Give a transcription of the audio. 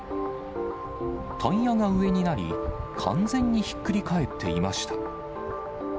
タイヤが上になり、完全にひっくり返っていました。